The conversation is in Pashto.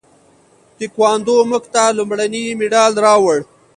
تکواندو موږ ته لومړنی مډال راوړ.